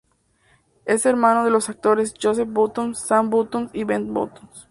Es hermano de los actores Joseph Bottoms, Sam Bottoms y Ben Bottoms.